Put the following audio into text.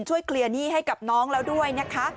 ช่วยเคลียร์หนี้ให้กับน้องแล้วด้วยนะคะ